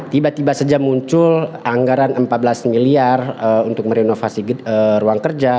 tiba tiba saja muncul anggaran empat belas miliar untuk merenovasi ruang kerja